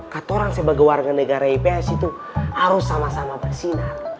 kata orang sebagai warga negara ipa sih tuh harus sama sama bersinar